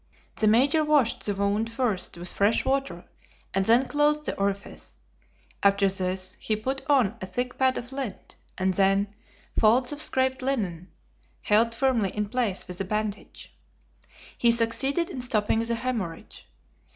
The Major washed the wound first with fresh water and then closed the orifice; after this he put on a thick pad of lint, and then folds of scraped linen held firmly in place with a bandage. He succeeded in stopping the hemorrhage.